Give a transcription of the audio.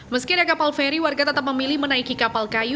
meski ada kapal feri warga tetap memilih menaiki kapal kayu